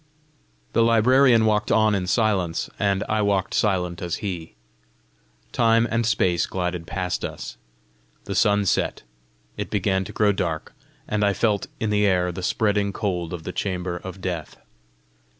The librarian walked on in silence, and I walked silent as he. Time and space glided past us. The sun set; it began to grow dark, and I felt in the air the spreading cold of the chamber of death.